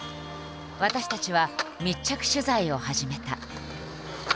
私たちは密着取材を始めた。